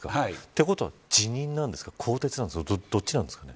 ということは辞任なんですか更迭なんですか。